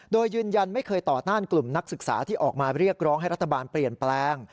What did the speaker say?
โดยยืนยันไม่เคยต่อต้านกลุ่มนักศึกษาที่ออกมาเรียกร้องให้รัฐบาลเปลี่ยนแปลง